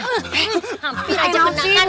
hampir ajaan sih